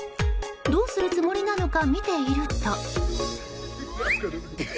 どうするつもりなのか見ていると。